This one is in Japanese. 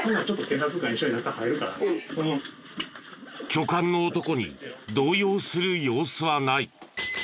巨漢の男に動揺する様子はない。